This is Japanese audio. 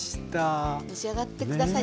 召し上がって下さい。